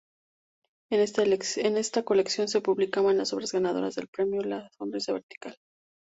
En esta colección se publicaban las obras ganadoras del Premio La sonrisa vertical.